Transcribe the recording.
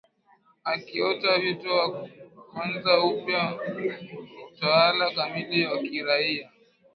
akitoa wito wa kuanza upya kwa utawala kamili wa kiraia